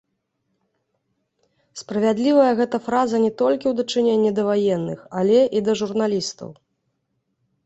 Справядлівая гэта фраза не толькі ў дачыненні да ваенных, але і да журналістаў.